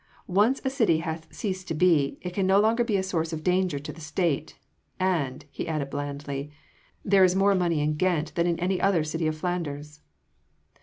Once a city hath ceased to be, it can no longer be a source of danger to the State ... and," he added blandly, "there is more money in Ghent than in any other city of Flanders."